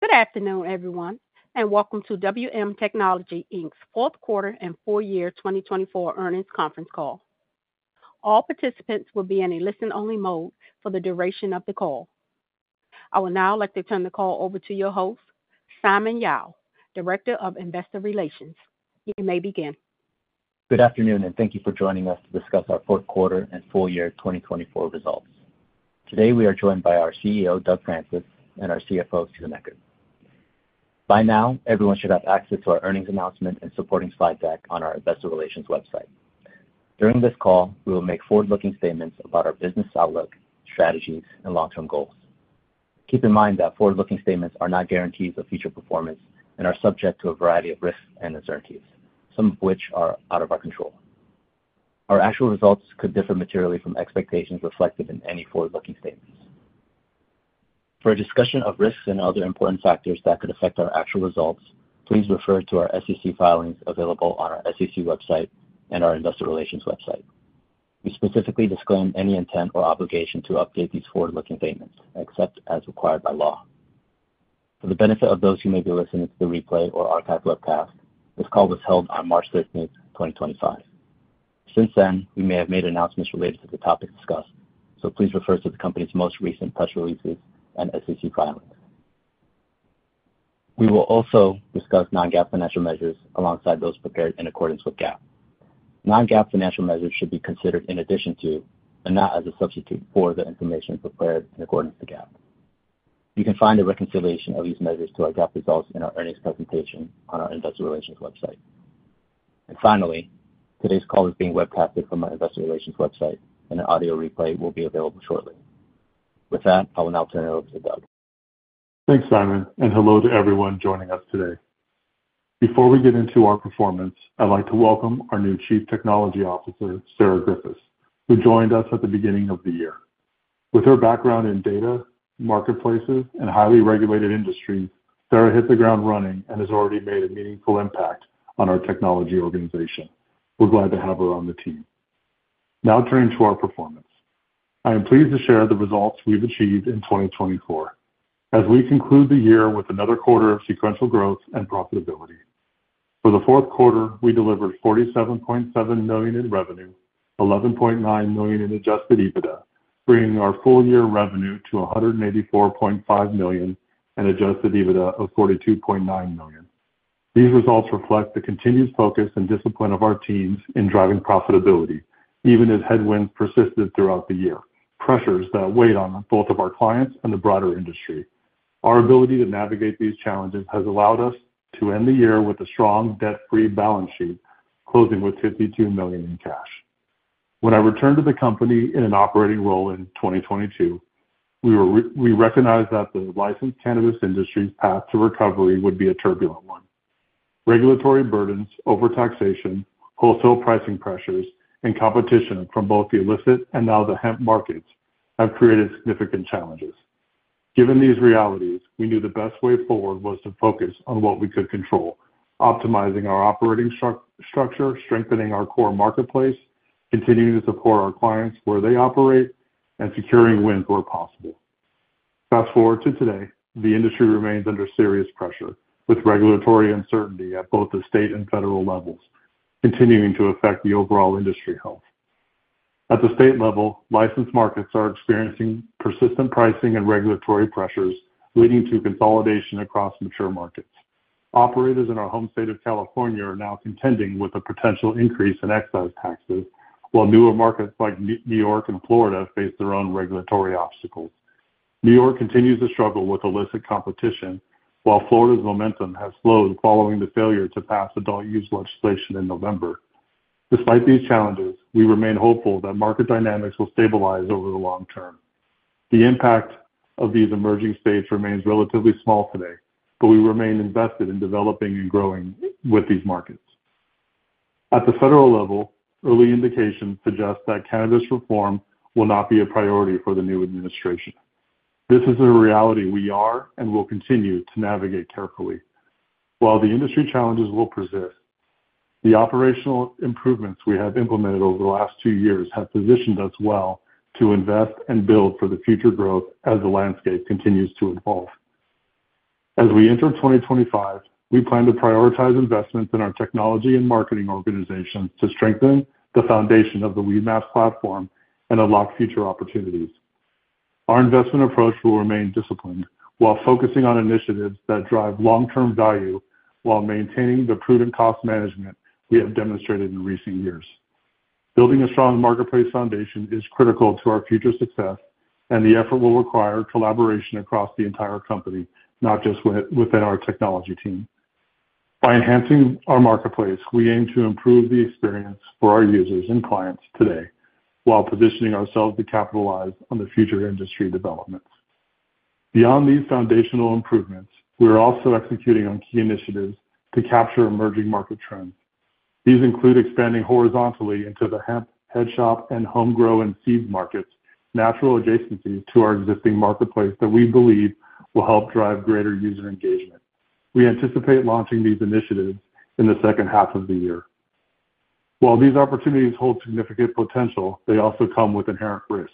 Good afternoon, everyone, and welcome to WM Technology Inc.'s Fourth Quarter and Full-year 2024 Earnings Conference Call. All participants will be in a listen-only mode for the duration of the call. I would now like to turn the call over to your host, Simon Yao, Director of Investor Relations. You may begin. Good afternoon, and thank you for joining us to discuss our Fourth Quarter and Full-year 2024 results. Today, we are joined by our CEO, Doug Francis, and our CFO, Susan Echard. By now, everyone should have access to our earnings announcement and supporting slide deck on our Investor Relations website. During this call, we will make forward-looking statements about our business outlook, strategies, and long-term goals. Keep in mind that forward-looking statements are not guarantees of future performance and are subject to a variety of risks and uncertainties, some of which are out of our control. Our actual results could differ materially from expectations reflected in any forward-looking statements. For a discussion of risks and other important factors that could affect our actual results, please refer to our SEC filings available on our SEC website and our Investor Relations website. We specifically disclaim any intent or obligation to update these forward-looking statements, except as required by law. For the benefit of those who may be listening to the replay or archived webcast, this call was held on March 13, 2025. Since then, we may have made announcements related to the topics discussed, so please refer to the company's most recent press releases and SEC filings. We will also discuss non-GAAP financial measures alongside those prepared in accordance with GAAP. Non-GAAP financial measures should be considered in addition to, but not as a substitute for the information prepared in accordance with GAAP. You can find a reconciliation of these measures to our GAAP results in our earnings presentation on our Investor Relations website. Finally, today's call is being webcast from our Investor Relations website, and an audio replay will be available shortly. With that, I will now turn it over to Doug. Thanks, Simon, and hello to everyone joining us today. Before we get into our performance, I'd like to welcome our new Chief Technology Officer, Sarah Griffiths, who joined us at the beginning of the year. With her background in data, marketplaces, and highly regulated industries, Sarah hit the ground running and has already made a meaningful impact on our technology organization. We're glad to have her on the team. Now, turning to our performance, I am pleased to share the results we've achieved in 2024 as we conclude the year with another quarter of sequential growth and profitability. For the fourth quarter, we delivered $47.7 million in revenue, $11.9 million in adjusted EBITDA, bringing our full-year revenue to $184.5 million and adjusted EBITDA of $42.9 million. These results reflect the continued focus and discipline of our teams in driving profitability, even as headwinds persisted throughout the year, pressures that weighed on both of our clients and the broader industry. Our ability to navigate these challenges has allowed us to end the year with a strong debt-free balance sheet, closing with $52 million in cash. When I returned to the company in an operating role in 2022, we recognized that the licensed cannabis industry's path to recovery would be a turbulent one. Regulatory burdens, overtaxation, wholesale pricing pressures, and competition from both the illicit and now the hemp markets have created significant challenges. Given these realities, we knew the best way forward was to focus on what we could control, optimizing our operating structure, strengthening our core marketplace, continuing to support our clients where they operate, and securing wins where possible. Fast forward to today, the industry remains under serious pressure with regulatory uncertainty at both the state and federal levels, continuing to affect the overall industry health. At the state level, licensed markets are experiencing persistent pricing and regulatory pressures, leading to consolidation across mature markets. Operators in our home state of California are now contending with a potential increase in excise taxes, while newer markets like New York and Florida face their own regulatory obstacles. New York continues to struggle with illicit competition, while Florida's momentum has slowed following the failure to pass adult use legislation in November. Despite these challenges, we remain hopeful that market dynamics will stabilize over the long term. The impact of these emerging states remains relatively small today, but we remain invested in developing and growing with these markets. At the federal level, early indications suggest that cannabis reform will not be a priority for the new administration. This is a reality we are and will continue to navigate carefully. While the industry challenges will persist, the operational improvements we have implemented over the last two years have positioned us well to invest and build for the future growth as the landscape continues to evolve. As we enter 2025, we plan to prioritize investments in our technology and marketing organizations to strengthen the foundation of the Weedmaps platform and unlock future opportunities. Our investment approach will remain disciplined while focusing on initiatives that drive long-term value while maintaining the prudent cost management we have demonstrated in recent years. Building a strong marketplace foundation is critical to our future success, and the effort will require collaboration across the entire company, not just within our technology team. By enhancing our marketplace, we aim to improve the experience for our users and clients today while positioning ourselves to capitalize on the future industry developments. Beyond these foundational improvements, we are also executing on key initiatives to capture emerging market trends. These include expanding horizontally into the hemp, head shop, and home-grown seed markets' natural adjacencies to our existing marketplace that we believe will help drive greater user engagement. We anticipate launching these initiatives in the second half of the year. While these opportunities hold significant potential, they also come with inherent risks.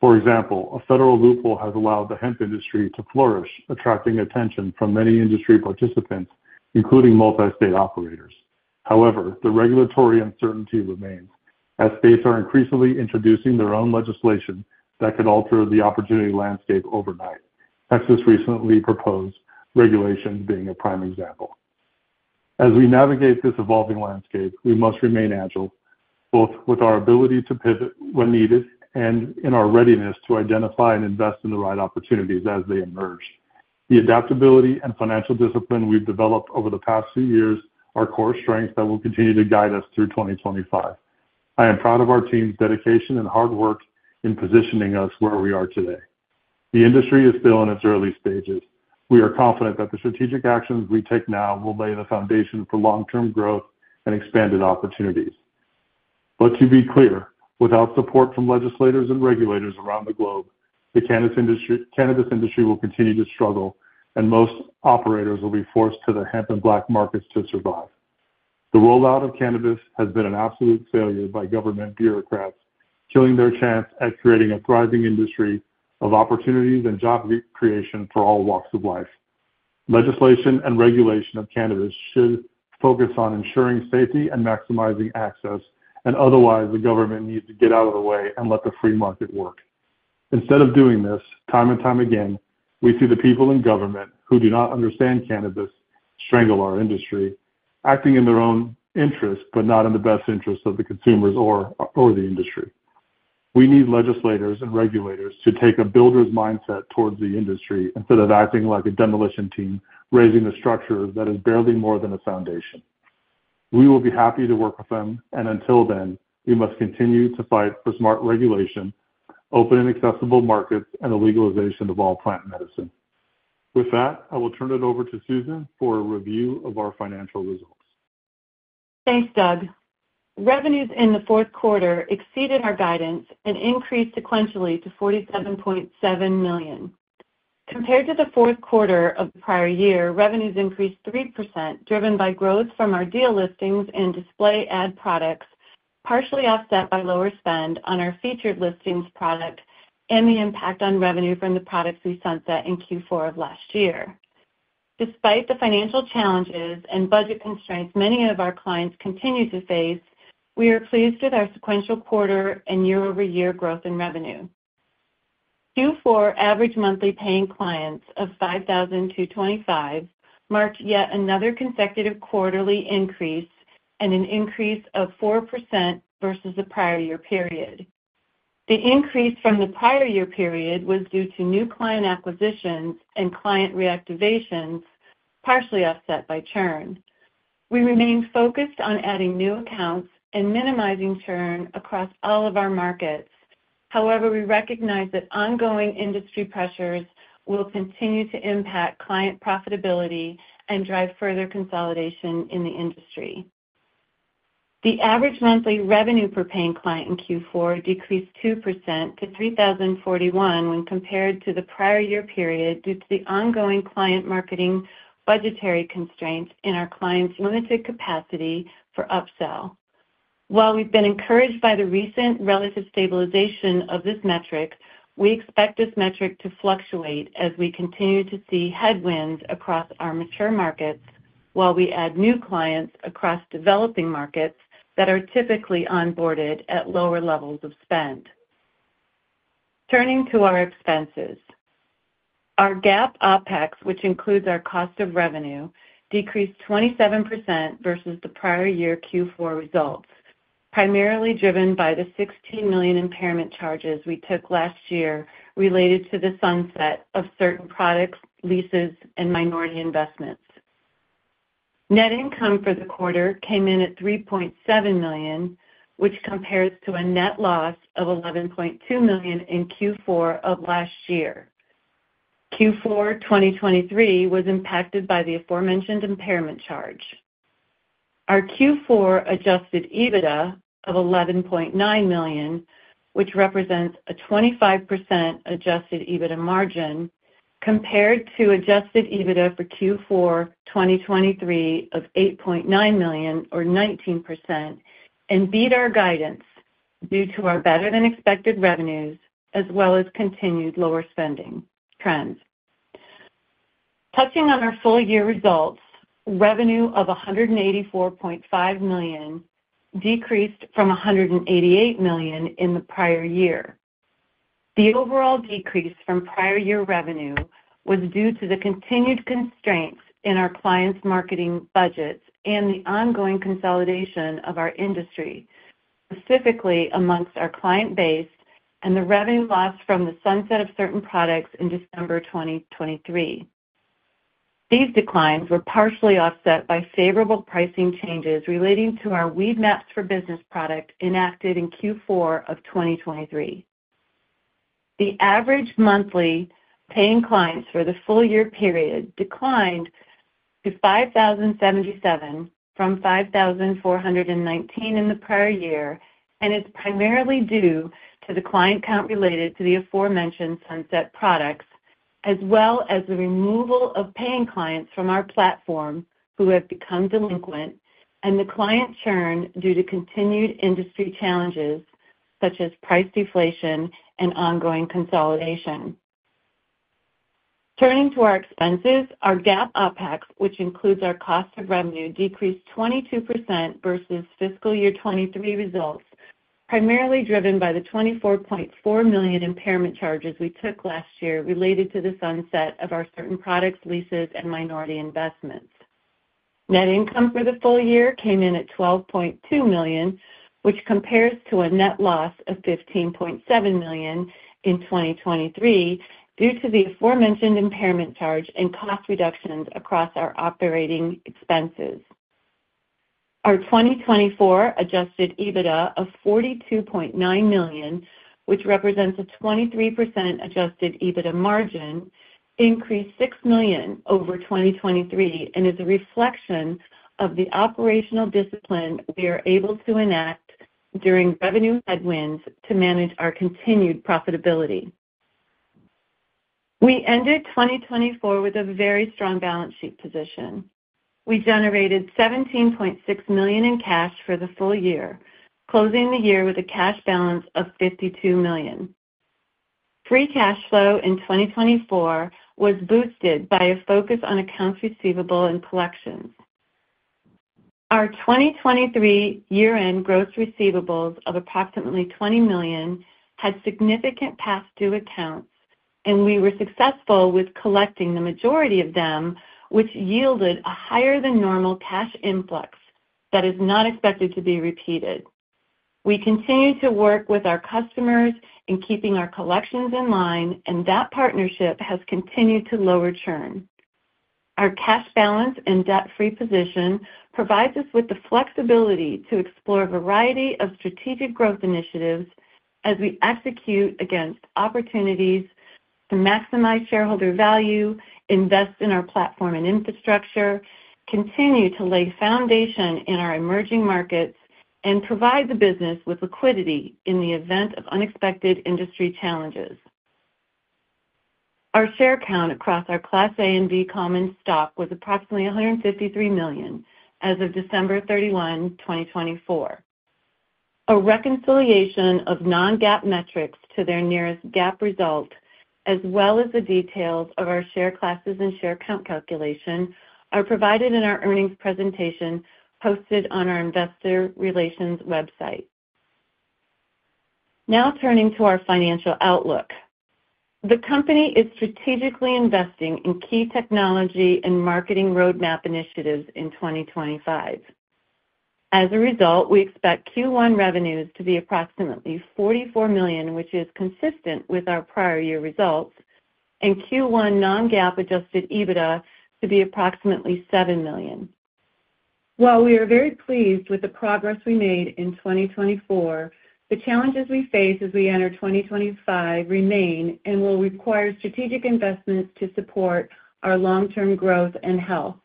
For example, a federal loophole has allowed the hemp industry to flourish, attracting attention from many industry participants, including multi-state operators. However, the regulatory uncertainty remains as states are increasingly introducing their own legislation that could alter the opportunity landscape overnight. As recently proposed regulation being a prime example. As we navigate this evolving landscape, we must remain agile, both with our ability to pivot when needed and in our readiness to identify and invest in the right opportunities as they emerge. The adaptability and financial discipline we have developed over the past few years are core strengths that will continue to guide us through 2025. I am proud of our team's dedication and hard work in positioning us where we are today. The industry is still in its early stages. We are confident that the strategic actions we take now will lay the foundation for long-term growth and expanded opportunities. But to be clear, without support from legislators and regulators around the globe, the cannabis industry, cannabis industry will continue to struggle, and most operators will be forced to the hemp and black markets to survive. The rollout of cannabis has been an absolute failure by government bureaucrats, killing their chance at creating a thriving industry of opportunities and job creation for all walks of life. Legislation and regulation of cannabis should focus on ensuring safety and maximizing access, and otherwise, the government needs to get out of the way and let the free market work. Instead of doing this, time and time again, we see the people in government who do not understand cannabis strangle our industry, acting in their own interests but not in the best interests of the consumers or the industry. We need legislators and regulators to take a builder's mindset towards the industry instead of acting like a demolition team razing the structure that is barely more than a foundation. We will be happy to work with them, and until then, we must continue to fight for smart regulation, open and accessible markets, and the legalization of all plant medicine. With that, I will turn it over to Susan for a review of our financial results. Thanks, Doug. Revenues in the fourth quarter exceeded our guidance and increased sequentially to $47.7 million. Compared to the fourth quarter of the prior year, revenues increased 3%, driven by growth from our deal listings and display ad products, partially offset by lower spend on our featured listings product and the impact on revenue from the products we sunset in Q4 of last year. Despite the financial challenges and budget constraints many of our clients continue to face, we are pleased with our sequential quarter and year-over-year growth in revenue. Q4 average monthly paying clients of 5,025 marked yet another consecutive quarterly increase and an increase of 4% versus the prior year period. The increase from the prior year period was due to new client acquisitions and client reactivations, partially offset by churn. We remained focused on adding new accounts and minimizing churn across all of our markets. However, we recognize that ongoing industry pressures will continue to impact client profitability and drive further consolidation in the industry. The average monthly revenue per paying client in Q4 decreased 2% to $3,041 when compared to the prior year period due to the ongoing client marketing budgetary constraints and our clients' limited capacity for upsell. While we've been encouraged by the recent relative stabilization of this metric, we expect this metric to fluctuate as we continue to see headwinds across our mature markets while we add new clients across developing markets that are typically onboarded at lower levels of spend. Turning to our expenses, our GAAP OpEx, which includes our cost of revenue, decreased 27% versus the prior year Q4 results, primarily driven by the $16 million impairment charges we took last year related to the sunset of certain products, leases, and minority investments. Net income for the quarter came in at $3.7 million, which compares to a net loss of $11.2 million in Q4 of last year. Q4 2023 was impacted by the aforementioned impairment charge. Our Q4 adjusted EBITDA of $11.9 million, which represents a 25% adjusted EBITDA margin, compared to adjusted EBITDA for Q4 2023 of $8.9 million, or 19%, and beat our guidance due to our better-than-expected revenues as well as continued lower spending trends. Touching on our full-year results, revenue of $184.5 million decreased from $188 million in the prior year. The overall decrease from prior year revenue was due to the continued constraints in our clients' marketing budgets and the ongoing consolidation of our industry, specifically amongst our client base and the revenue loss from the sunset of certain products in December 2023. These declines were partially offset by favorable pricing changes relating to our Weedmaps for Business product enacted in Q4 of 2023. The average monthly paying clients for the full-year period declined to 5,077 from 5,419 in the prior year and is primarily due to the client count related to the aforementioned sunset products, as well as the removal of paying clients from our platform who have become delinquent and the client churn due to continued industry challenges such as price deflation and ongoing consolidation. Turning to our expenses, our GAAP OpEx, which includes our cost of revenue, decreased 22% versus fiscal year 2023 results, primarily driven by the $24.4 million impairment charges we took last year related to the sunset of our certain products, leases, and minority investments. Net income for the full year came in at $12.2 million, which compares to a net loss of $15.7 million in 2023 due to the aforementioned impairment charge and cost reductions across our operating expenses. Our 2024 adjusted EBITDA of $42.9 million, which represents a 23% adjusted EBITDA margin, increased $6 million over 2023 and is a reflection of the operational discipline we are able to enact during revenue headwinds to manage our continued profitability. We ended 2024 with a very strong balance sheet position. We generated $17.6 million in cash for the full year, closing the year with a cash balance of $52 million. Free cash flow in 2024 was boosted by a focus on accounts receivable and collections. Our 2023 year-end gross receivables of approximately $20 million had significant past due accounts, and we were successful with collecting the majority of them, which yielded a higher-than-normal cash influx that is not expected to be repeated. We continue to work with our customers in keeping our collections in line, and that partnership has continued to lower churn. Our cash balance and debt-free position provides us with the flexibility to explore a variety of strategic growth initiatives as we execute against opportunities to maximize shareholder value, invest in our platform and infrastructure, continue to lay foundation in our emerging markets, and provide the business with liquidity in the event of unexpected industry challenges. Our share count across our Class A and B Common Stock was approximately 153 million as of December 31, 2024. A reconciliation of non-GAAP metrics to their nearest GAAP result, as well as the details of our share classes and share count calculation, are provided in our earnings presentation posted on our investor relations website. Now turning to our financial outlook, the company is strategically investing in key technology and marketing roadmap initiatives in 2025. As a result, we expect Q1 revenues to be approximately $44 million, which is consistent with our prior year results, and Q1 non-GAAP adjusted EBITDA to be approximately $7 million. While we are very pleased with the progress we made in 2024, the challenges we face as we enter 2025 remain and will require strategic investments to support our long-term growth and health.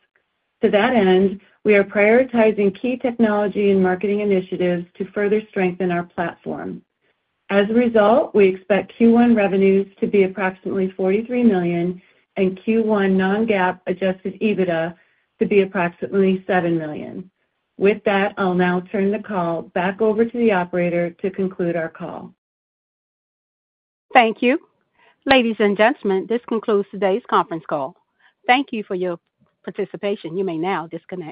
To that end, we are prioritizing key technology and marketing initiatives to further strengthen our platform. As a result, we expect Q1 revenues to be approximately $43 million and Q1 non-GAAP adjusted EBITDA to be approximately $7 million. With that, I'll now turn the call back over to the operator to conclude our call. Thank you. Ladies and gentlemen, this concludes today's conference call. Thank you for your participation. You may now disconnect.